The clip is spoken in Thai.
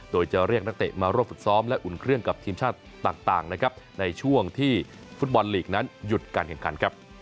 โดยจะเรียกนักเตะมาร่วมฝึกซ้อมและอุ่นเครื่องกับทีมชาติต่างนะครับในช่วงที่ฟุตบอลลีกนั้นหยุดการแข่งขันครับ